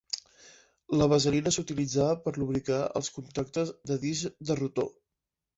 La vaselina s'utilitzava per lubricar els contactes de discs de rotor.